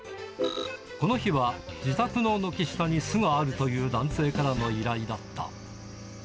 この日は、自宅の軒下に巣があるという男性からの依頼だった。